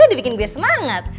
udah bikin gue semangat